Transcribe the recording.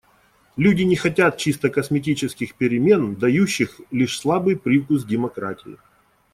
Люди не хотят чисто косметических перемен, дающих лишь слабый привкус демократии.